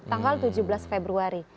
tanggal tujuh belas februari